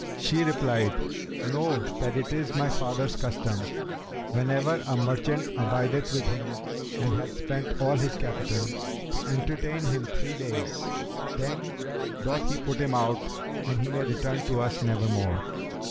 She replied, 'Know that it is my father's custom, whenever a merchant abideth with him and hath spent all his capital, to entertain him three days; then doth he put him out and he may return to us nevermore.